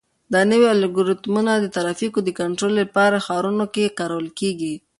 دا نوي الګوریتمونه د ترافیکو د کنټرول لپاره په ښارونو کې کارول کیږي.